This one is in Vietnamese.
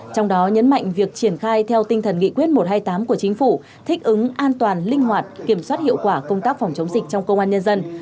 trong đó nhấn mạnh việc triển khai theo tinh thần nghị quyết một trăm hai mươi tám của chính phủ thích ứng an toàn linh hoạt kiểm soát hiệu quả công tác phòng chống dịch trong công an nhân dân